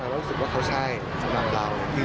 เรารู้สึกว่าเขาใช่สำหรับเรา